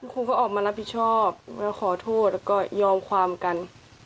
ครูก็ออกมารับผิดชอบมาขอโทษแล้วก็ยอมความกัน